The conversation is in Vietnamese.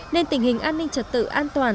nên tình hình an ninh trật tự an toàn